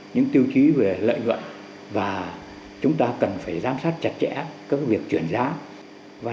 những tiêu chí về lợi nhuận và chúng ta cần phải giám sát chặt chẽ các việc chuyển giá